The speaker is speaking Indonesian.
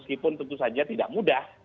itu saja tidak mudah